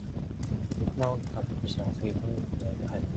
물 속에 켜 놓은 듯한 불빛이 영숙의 얼굴에 풀물을 들여 놓은 듯하였다.